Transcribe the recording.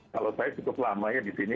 kalau saya cukup lama ya di sini